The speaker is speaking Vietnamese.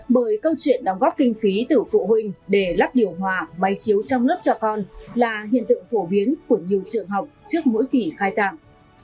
bởi câu chuyện đóng góp kinh phí từ phụ huynh để lắp điều hòa máy chiếu trong lớp cho con là hiện tượng phổ biến của nhiều trường học trước mỗi kỷ khai giảng